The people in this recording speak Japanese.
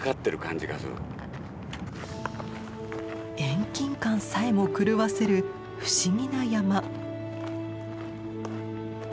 遠近感さえも狂わせる不思議な山。